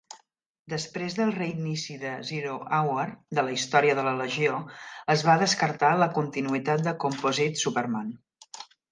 Després del reinici de "Zero Hour" de la història de la legió, es va descartar la continuïtat de Composite Superman.